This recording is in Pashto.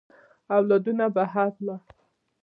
اولادونه بهر ولاړ.